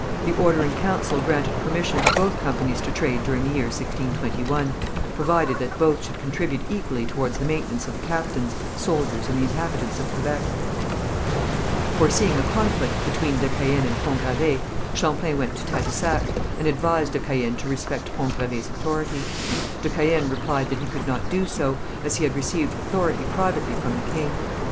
The order in council granted permission to both companies to trade during the year 1621, provided that both should contribute equally towards the maintenance of the captains, soldiers, and the inhabitants of Quebec. Foreseeing a conflict between de Caën and Pont Gravé, Champlain went to Tadousac, and advised de Caën to respect Pont Gravé's authority. De Caën replied that he could not do so, as he had received authority privately from the king.